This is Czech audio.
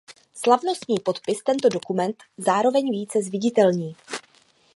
Slavnostní podpis tento dokument zároveň více zviditelní.